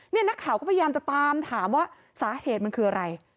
นี่นักข่าวก็พยายามจะตามถามว่าสาเหตุมันคืออะไร